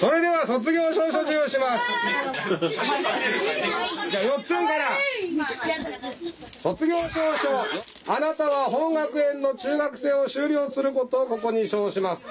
「卒業証書あなたは本学園の中学生を終了することをここに証します